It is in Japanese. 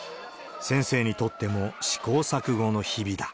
先生にとっても試行錯誤の日々だ。